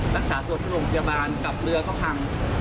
รักษาตัวที่โรงพยาบาลกับเรือก็พัง